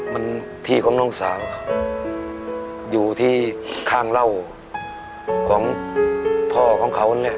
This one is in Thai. มันที่ของน้องสาวอยู่ที่ข้างเล่าของพ่อของเขาเนี่ย